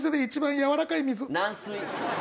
軟水。